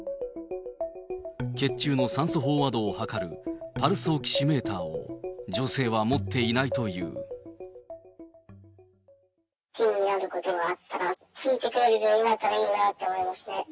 血中の酸素飽和度を測るパルスオキシメーターを女性は持って気になることがあったら、聞いてくれる病院があったらいいなって思いますね。